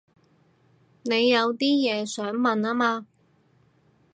你有啲嘢想問吖嘛